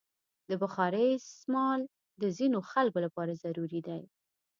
د بخارۍ استعمال د ځینو خلکو لپاره ضروري دی.